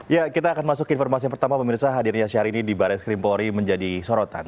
ya kita akan masuk ke informasi yang pertama pemirsa hadirnya syahrini di baris krimpori menjadi sorotan